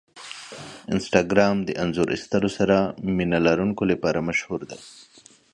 انسټاګرام د انځور ایستلو سره مینه لرونکو لپاره مشهور دی.